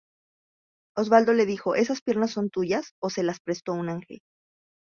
Osvaldo le dijo: ""¿esas piernas son suyas o se las prestó un ángel?"".